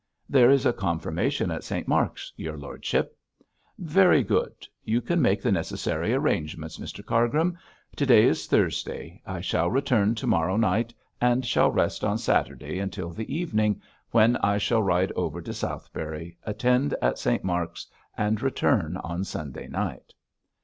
'There is a confirmation at St Mark's, your lordship.' 'Very good; you can make the necessary arrangements, Mr Cargrim. To day is Thursday. I shall return to morrow night, and shall rest on Saturday until the evening, when I shall ride over to Southberry, attend at St Mark's, and return on Sunday night.'